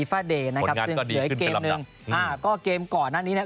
ผลงานก็ดีขึ้นไปลำดับซึ่งเหลือเกมหนึ่งก็เกมก่อนอันนี้นะครับ